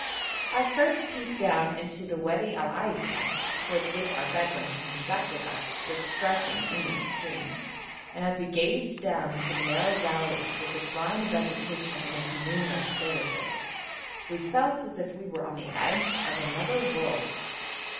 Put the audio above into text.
Our first peep down into the Wadi Al Aisa, towards which our Bedouin had conducted us, was striking in the extreme, and as we gazed down into the narrow valley, with its line of vegetation and its numerous villages, we felt as if we were on the edge of another world.